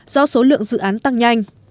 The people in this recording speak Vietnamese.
do số lượng dự án tăng nhanh